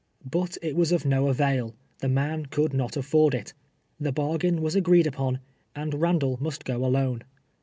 But it was of no avail ; the man could not afford it. The bargain was agreed upon, and Randall must go alone.